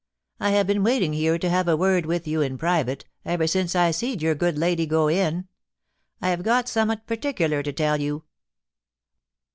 I have been waiting here to have a word with you in private, ever since I see'd your good lady go in. I have got summat particular to tell you.'